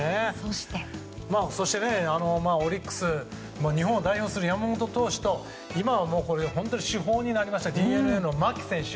そして、オリックス日本を代表する山本投手と今は主砲になったＤｅＮＡの牧選手。